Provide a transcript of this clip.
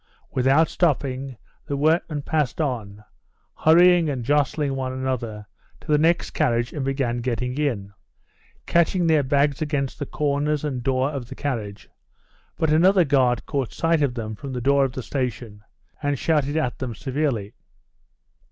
Without stopping, the workmen passed on, hurrying and jostling one another, to the next carriage and began getting in, catching their bags against the corners and door of the carriage, but another guard caught sight of them from the door of the station, and shouted at them severely.